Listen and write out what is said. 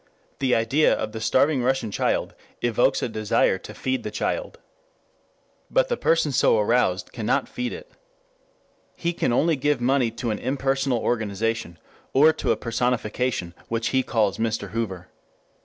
The idea of the starving Russian child evokes a desire to feed the child. But the person so aroused cannot feed it. He can only give money to an impersonal organization, or to a personification which he calls Mr. Hoover.